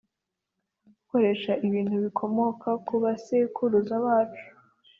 gukoresha ibintu bikomoka ku basekuruza bacu